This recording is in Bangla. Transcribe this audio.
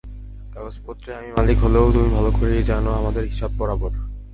কাগজপত্রে আমি মালিক হলেও তুমি ভালো করেই জানো, আমাদের হিসাব বরাবর।